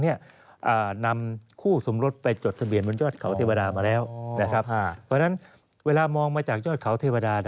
เพราะฉะนั้นเวลามองมาจากยอดเขาเทวดา